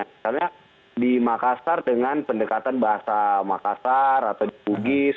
misalnya di makassar dengan pendekatan bahasa makassar atau di bugis